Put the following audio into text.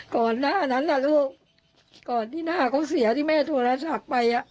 ก่อนหน้านั้นน่ะลูกก่อนที่หน้าเขาเสียที่แม่โทรศัพท์ไป